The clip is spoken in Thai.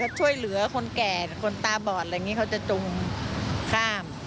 ช่วยเหลือคนแก่คนตาบอดอะไรอย่างนี้เขาจะจูงข้าม